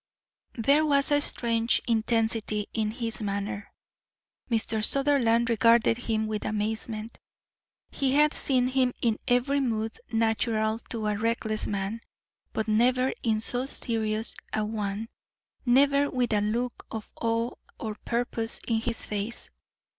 There was strange intensity in his manner. Mr. Sutherland regarded him with amazement. He had seen him in every mood natural to a reckless man, but never in so serious a one, never with a look of awe or purpose in his face.